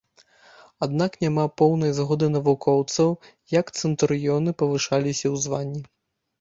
Аднак няма поўнай згоды навукоўцаў як цэнтурыёны павышаліся ў званні.